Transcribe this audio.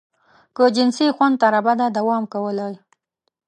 که جنسي خوند تر ابده دوام کولای.